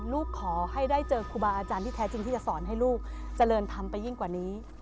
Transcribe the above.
ขอให้ได้เจอครูบาอาจารย์ที่แท้จริงที่จะสอนให้ลูกเจริญธรรมไปยิ่งกว่านี้